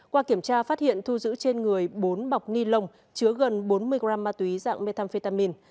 qua kiểm tra phát hiện thu giữ trên người bốn bọc ni lông chứa gần bốn mươi gram ma túy dạng methamphetamin